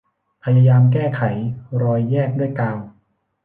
พยายามแก้ไขรอยแยกด้วยกาว